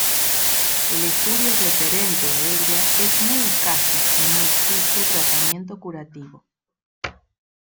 El estudio referente a ella es muy escaso y no existe tratamiento curativo.